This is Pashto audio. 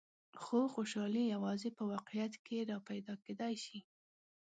خو خوشحالي یوازې په واقعیت کې را پیدا کېدای شي.